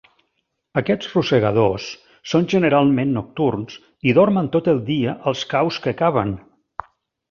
Aquests rosegadors són generalment nocturns i dormen tot el dia als caus que caven.